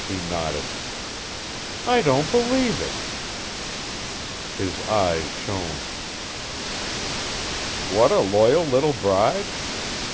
He nodded. "I don't believe it." His eyes shone. "What a loyal little bride?